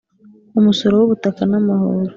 Umusoro w ‘ubutaka n’ amahoro.